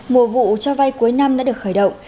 mùa vụ cho vay cuối năm đã được khởi động